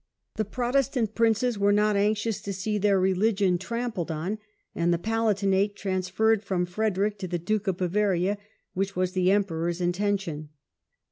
The Protestant princes were not anxious to see their religion trampled on, and the Palatinate transferred from Frederick to the Duke of Bavaria, which was the Emperor's intention.